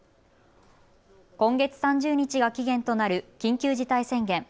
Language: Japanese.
今月３０日が期限となる緊急事態宣言。